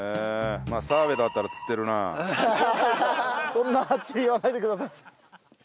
そんなはっきり言わないでください。